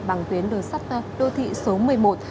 bằng tuyến đường sắt đô thị số một mươi một